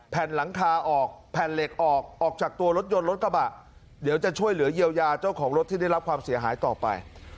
แผ่นหลังคาออกแผ่นเหล็กออกออกจากตัวรถยนต์รถกระบะเดี๋ยวจะช่วยเหลือเยียวยาเจ้าของรถที่ได้รับความเสียหายต่อไป